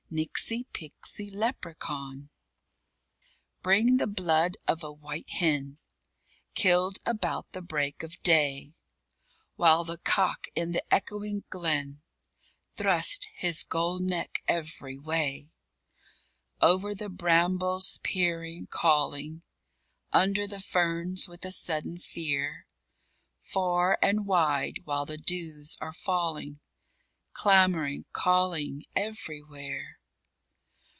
Nixie pixie leprechaun._" Bring the blood of a white hen, Killed about the break of day, While the cock in the echoing glen Thrusts his gold neck every way, Over the brambles, peering, calling, Under the ferns, with a sudden fear, Far and wide, while the dews are falling, Clamouring, calling, everywhere.